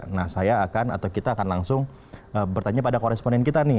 nah saya akan atau kita akan langsung bertanya pada koresponen kita nih